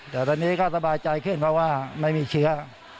แต่ตอนนี้ก็สบายใจขึ้นเพราะว่าไม่มีเชื้อ